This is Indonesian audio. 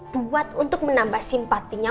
buat untuk menambah simpatinya